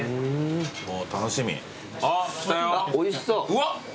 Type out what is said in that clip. うわっ。